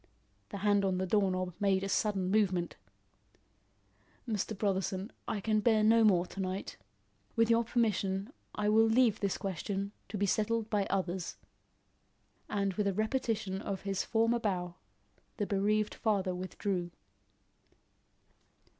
The hand on the door knob made a sudden movement. "Mr. Brotherson, I can bear no more to night. With your permission, I will leave this question to be settled by others." And with a repetition of his former bow, the bereaved father withdrew.